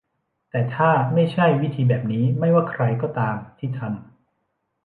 แต่ถ้าไม่ใช่ วิธีแบบนี้ ไม่ว่าใครก็ตามที่ทำ